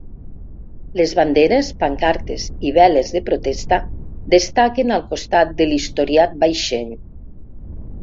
Les banderes, pancartes i veles de protesta destaquen al costat de l'historiat vaixell.